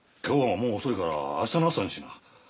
今日はもう遅いから明日の朝にしな。